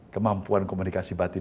kemampuan komunikasi batin